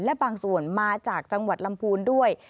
และบางส่วนมาจากจังหวัดลำพูนด้วย